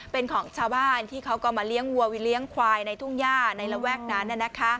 เป็นของชาวบ้านที่เขาก็มาเลี้ยงวัวไปเลี้ยงควายในทุ่งย่าในระแวกนั้น